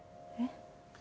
えっ？